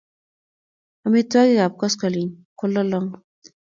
amitwokik ap koskoling ko lolong